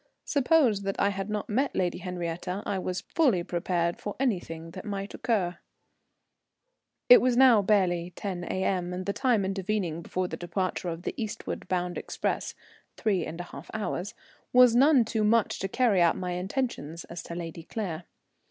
Suppose that I had not met Lady Henriette, I was fully prepared for anything that might occur. It was now barely 10 A.M., and the time intervening before the departure of the eastward bound express (three and a half hours) was none too much to carry out my intentions as to Lady Henriette.